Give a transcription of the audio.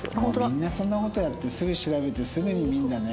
みんなそんな事やってすぐ調べてすぐに見るんだね。